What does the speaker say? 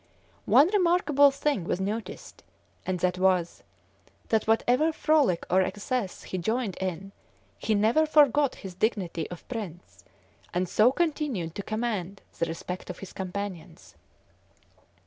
One remarkable thing was noticed, and that was, that whatever frolic or excess he joined in he never forgot his dignity of prince, and so continued to command the respect of his companions.